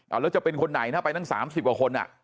เอาแล้วจะเป็นคนไหนนะไปตั้ง๓๐กว่าคน